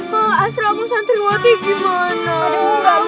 ke asrangu santriwati gimana